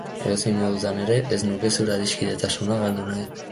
Edozein modutan ere, ez nuke zure adiskidetasuna galdu nahi.